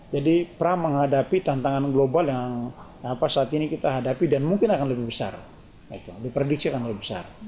jadi pra menghadapi tantangan global yang saat ini kita hadapi dan mungkin akan lebih besar diperdiksi akan lebih besar